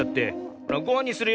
ほらごはんにするよ。